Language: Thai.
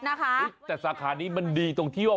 ให้เราได้อิ่มตา